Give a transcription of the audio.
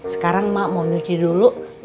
sekarang mak mau nyuci dulu